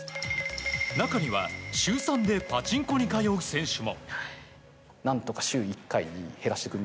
中には、週３でパチンコに通う選手も。